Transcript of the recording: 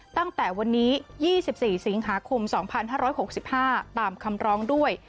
ตั้งแต่วันนี้๒๔สิงหาคม๒๕๖๕ตามคำร้องด้วย